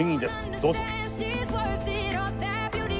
どうぞ。